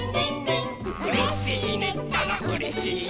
「うれしいねったらうれしいよ」